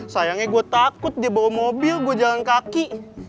sayangnya gue takut dia bawa mobil gue jalan kaki